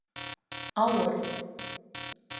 Ауыр